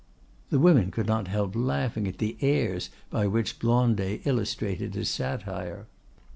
The women could not help laughing at the airs by which Blondet illustrated his satire.